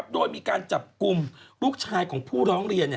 โดยมีการจับกลุ่มลูกชายของผู้ร้องเรียน